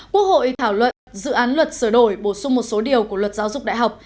quốc hội thảo luận dự án luật sửa đổi bổ sung một số điều của luật giáo dục đại học